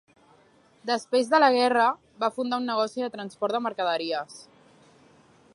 Després de la guerra, va fundar un negoci de transport de mercaderies.